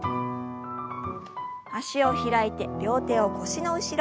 脚を開いて両手を腰の後ろ。